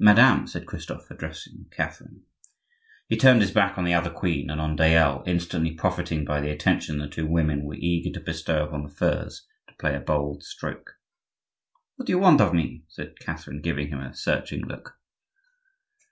"Madame," said Christophe, addressing Catherine. He turned his back on the other queen and on Dayelle, instantly profiting by the attention the two women were eager to bestow upon the furs to play a bold stroke. "What do you want of me?" said Catherine giving him a searching look.